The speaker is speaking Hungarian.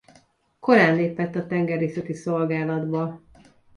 Korán lépett a tengerészeti szolgálatba.